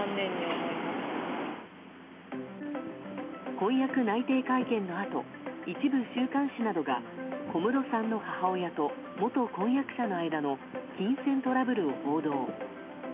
婚約内定会見のあと一部週刊誌などが小室さんの母親と元婚約者の間の金銭トラブルを報道。